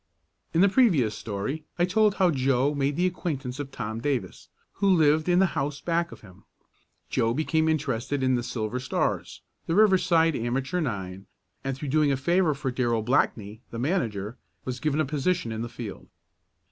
In the previous story I told how Joe made the acquaintance of Tom Davis, who lived in the house back of him. Joe became interested in the Silver Stars, the Riverside amateur nine, and through doing a favor for Darrell Blackney, the manager, was given a position in the field.